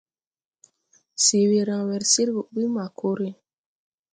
Se we raŋ wer sir gɔ ɓuy, ma kore.